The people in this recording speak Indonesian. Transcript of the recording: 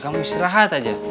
kamu istirahat aja